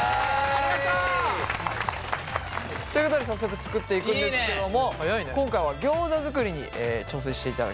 ありがとう！ということで早速作っていくんですけども今回はギョーザ作りに挑戦していただきます。